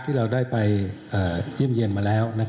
ที่เราได้ไปเยี่ยมเยี่ยมมาแล้ว